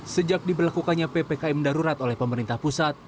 sejak diberlakukannya ppkm darurat oleh pemerintah pusat